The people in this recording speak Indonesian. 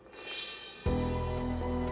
tidak ada apa apa